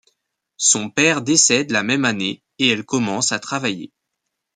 Son père décède la même année et elle commence à travailler.